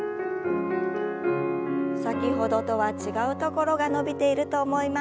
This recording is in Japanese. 先ほどとは違うところが伸びていると思います。